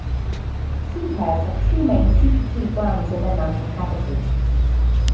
Sea hares have two main secretory glands in their mantle cavity.